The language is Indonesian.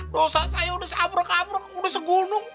dosa saya udah sabrak abrak udah segunung